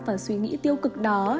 và suy nghĩ tiêu cực đó